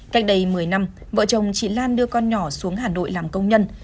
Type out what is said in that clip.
cách đây một mươi năm vợ chồng chị lan đưa con nhỏ xuống hà nội làm công nhân